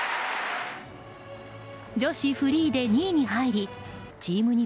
女子フリーで２位に入りチーム